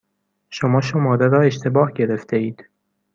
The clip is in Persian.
شما شماره را اشتباه گرفتهاید.